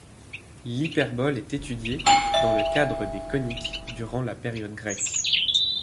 L'hyperbole est étudiée, dans le cadre des coniques, durant la période grecque.